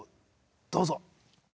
どうぞ。